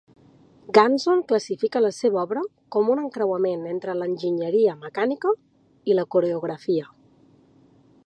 Ganson classifica la seva obra com un encreuament entre l'enginyeria mecànica i la coreografia.